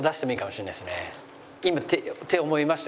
今って思いました